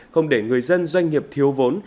không để người dân doanh nghiệp thiếu vốn